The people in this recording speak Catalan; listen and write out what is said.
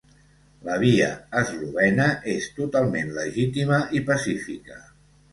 La via eslovena és totalment legítima i pacífica.